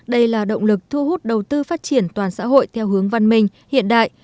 đây là động lực thu hút đầu tư phát triển toàn xã hội theo hướng văn minh hiện đại